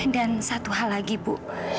dan satu hal lagi bu